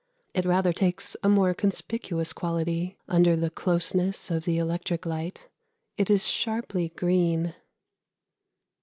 It rather takes a more conspicuous quality, under the closeness of the electric light; it is sharply green.